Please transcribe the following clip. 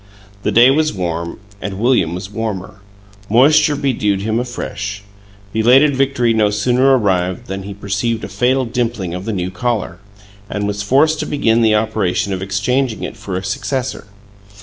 The day was warm and William was warmer; moisture bedewed him afresh. Belated victory no sooner arrived than he perceived a fatal dimpling of the new collar, and was forced to begin the operation of exchanging it for a successor.